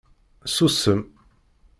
Susem